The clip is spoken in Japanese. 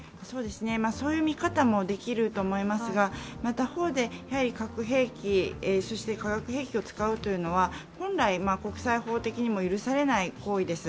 そういう見方もできると思いますが、他方で、核兵器、そして化学兵器を使うというのは本来、国際法でも許されない行為です。